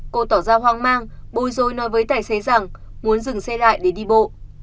cô tỏ ra hoang mang bôi rôi nói với tài xế rằng muốn dừng xe lại để đi bộ